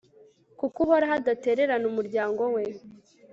kuko uhoraho adatererana umuryango we